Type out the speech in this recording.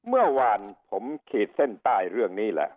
เมื่อวานผมขีดเส้นใต้เรื่องนี้แหละ